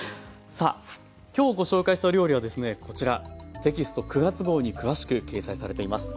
今日ご紹介した料理はですねこちらテキスト９月号に詳しく掲載されています。